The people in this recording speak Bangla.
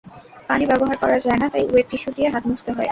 পানি ব্যবহার করা যায় না, তাই ওয়েট টিস্যু দিয়ে হাত মুছতে হয়।